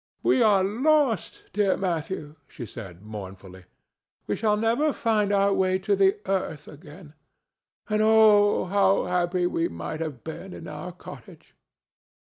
"We are lost, dear Matthew," said she, mournfully; "we shall never find our way to the earth again. And oh how happy we might have been in our cottage!"